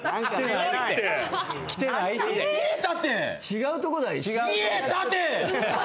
違うとこだよ。